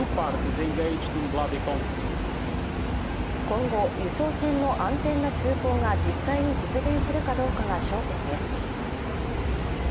今後、輸送船の安全な通行が実際に実現するかどうかが焦点です。